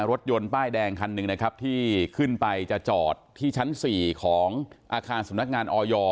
รถยนต์ป้ายแดงคันหนึ่งนะครับที่ขึ้นไปจะจอดที่ชั้น๔ของอาคารสำนักงานออย